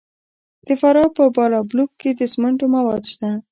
د فراه په بالابلوک کې د سمنټو مواد شته.